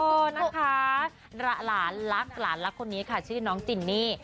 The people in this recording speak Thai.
เออนะคะหลานรักหลานรักคนนี้ค่ะชื่อน้องจินนี่